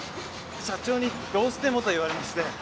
社長にどうしてもと言われまして。